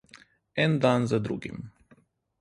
En dan za drugim.